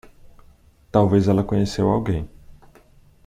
Talvez ela conheceu alguém.